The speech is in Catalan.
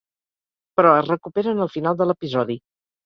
Però es recuperen al final de l'episodi.